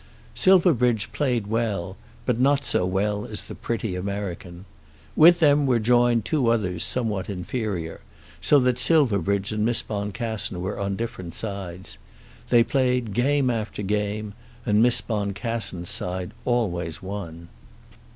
Silverbridge played well, but not so well as the pretty American. With them were joined two others somewhat inferior, so that Silverbridge and Miss Boncassen were on different sides. They played game after game, and Miss Boncassen's side always won.